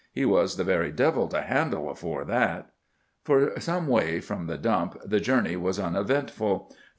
He was the very devil to handle afore that." For some way from the dump the journey was uneventful.